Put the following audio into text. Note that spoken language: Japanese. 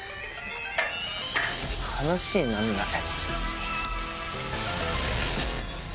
話になんない。